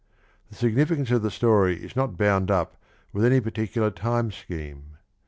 The significance of the story is not bound up with any particular time scheme.